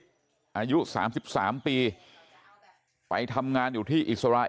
พวกมันกลับมาเมื่อเวลาที่สุดพวกมันกลับมาเมื่อเวลาที่สุด